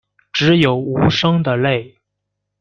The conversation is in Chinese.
只有无声的泪